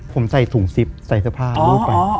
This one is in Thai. ผมใส่สุ่งซิปใส่ผ้ารูดไป